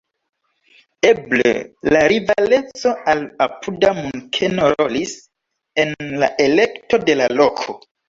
Eble la rivaleco al apuda Munkeno rolis en la elekto de la loko.